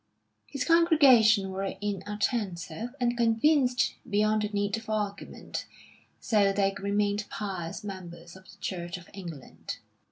His congregation were inattentive, and convinced beyond the need of argument, so they remained pious members of the Church of England.